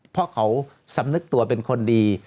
เพราะเขาสำนึกตัวเป็นคนดี